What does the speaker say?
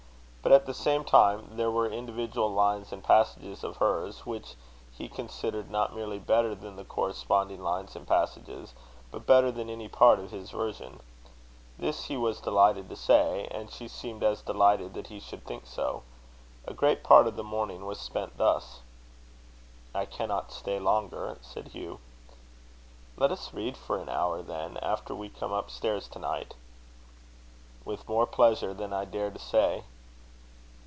But at the same time there were individual lines and passages of hers, which he considered not merely better than the corresponding lines and passages, but better than any part of his version. This he was delighted to say; and she seemed as delighted that he should think so. A great part of the morning was spent thus. "I cannot stay longer," said Hugh. "Let us read for an hour, then, after we come up stairs to night." "With more pleasure than I dare to say."